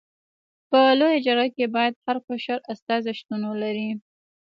په لويه جرګه کي باید هر قشر استازي شتون ولري.